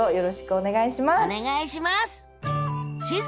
お願いします！